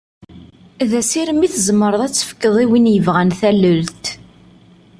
D asirem i tzemreḍ ad tefkeḍ i win yebɣan tallelt.